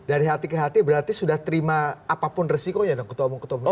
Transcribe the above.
dari hati ke hati berarti sudah terima apapun resikonya ketua umum atau